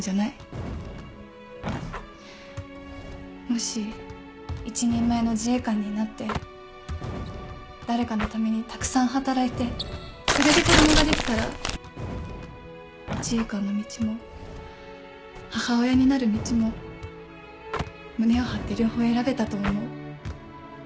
もし一人前の自衛官になって誰かのためにたくさん働いてそれで子供ができたら自衛官の道も母親になる道も胸を張って両方選べたと思う。